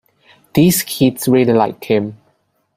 These kids really like him.